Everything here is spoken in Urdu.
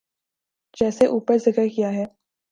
جیسے اوپر ذکر کیا ہے۔